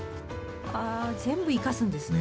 あ全部生かすんですね。ね。